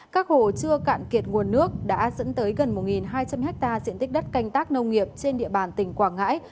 các hồ chưa cạn kiệt nguồn nước đã dẫn tới gần một hai trăm linh hectare diện tích đất canh tác nông nghiệp trên địa bàn tỉnh quảng ngãi